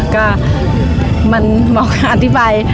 ก็มันเหมาะกับอธิบาย